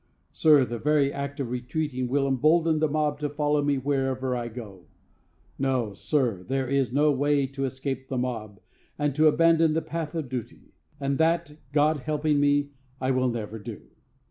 Sir, the very act of retreating will embolden the mob to follow me wherever I go. No, sir, there is no way to escape the mob, but to abandon the path of duty; and that, God helping me, I will never do.